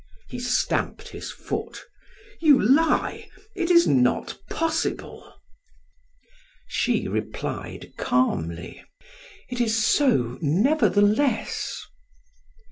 He stamped his foot. "You lie! It is not possible." She replied calmly: "It is so, nevertheless."